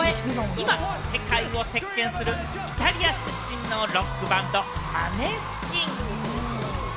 今、世界を席巻するイタリア出身のロックバンド・マネスキン。